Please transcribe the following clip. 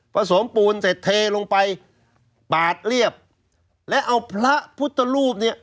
สมปูนเสร็จเทลงไปปาดเรียบและเอาพระพุทธรูปเนี่ย